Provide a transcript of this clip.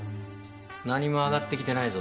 何も上がってきてないぞ。